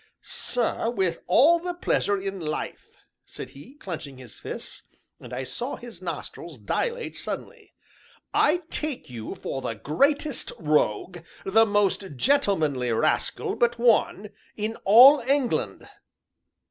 "Sir, with all the pleasure in life!" said he, clenching his fists, and I saw his nostrils dilate suddenly. "I take you for the greatest rogue, the most gentlemanly rascal but one, in all England!"